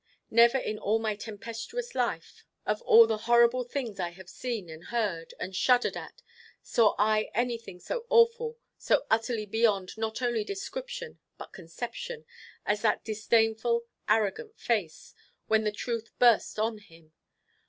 Never in all my tempestuous life, of all the horrible things I have seen, and heard, and shuddered at, saw I anything so awful, so utterly beyond not only description, but conception, as that disdainful, arrogant face, when the truth burst on him.